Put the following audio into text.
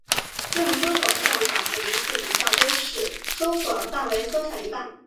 这种搜索算法每一次比较都使搜索范围缩小一半。